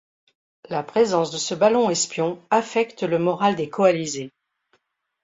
La présence de ce ballon espion affecte le moral des coalisés.